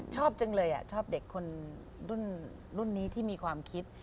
ชอบจังเลยชอบเด็กคนรุ่นนี้ที่มีความคิด